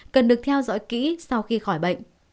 cần được theo dõi kỹ sau khi khỏi bệnh